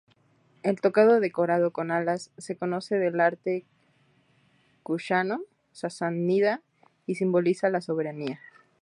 El tocado decorado con alas se conoce del arte kushano-sasánida y simboliza la soberanía.